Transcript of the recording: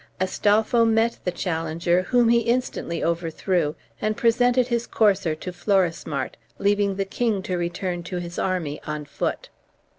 Astolpho met the challenger, whom he instantly overthrew, and presented his courser to Florismart, leaving the king to return to his army on foot.